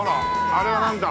あれはなんだ？